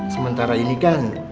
sementara ini kan